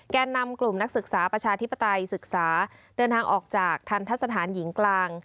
นำกลุ่มนักศึกษาประชาธิปไตยศึกษาเดินทางออกจากทันทะสถานหญิงกลาง